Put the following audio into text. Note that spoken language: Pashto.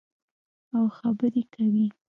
او خبرې کوي.